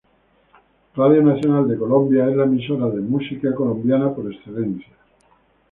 Radio Nacional de Colombia es la emisora de la música colombiana por excelencia.